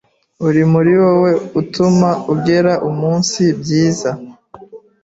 uri muri wowe utuma ugera umunsi byiza.